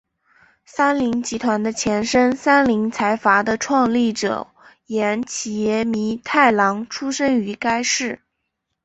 三菱集团的前身三菱财阀的创立者岩崎弥太郎出身于该市。